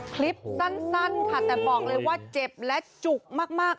คลิปสั้นค่ะแต่บอกเลยว่าเจ็บและจุกมาก